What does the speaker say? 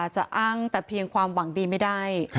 จะอ้างแต่เพียงความหวังดีไม่ได้